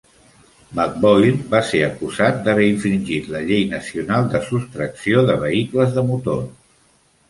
McBoyle va ser acusat d'haver infringit la Llei nacional de sostracció de vehicles de motor.